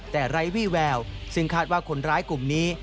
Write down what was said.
แต่ไร้วี่แววซึ่งคาดว่าคนร้ายกลุ่มนี้